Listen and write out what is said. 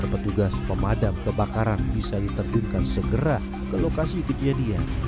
petugas pemadam kebakaran bisa diterjunkan segera ke lokasi kejadian